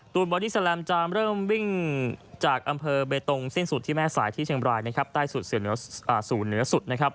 ตูนเบอร์ดิสเตอร์แลมป์จะเริ่มวิ่งจากอำเภอเบตตรงสิ้นสุดที่แม่สายที่เชียงบรายใต้สุดสู่เหนือสุด